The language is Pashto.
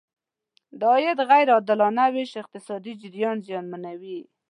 د عاید غیر عادلانه ویش اقتصادي جریان زیانمنوي.